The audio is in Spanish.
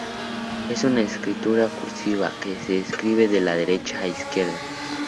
Es una escritura cursiva, que se escribe de derecha a izquierda.